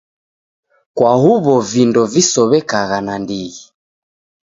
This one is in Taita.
Kwa huw'o vindo visow'ekagha nandighi.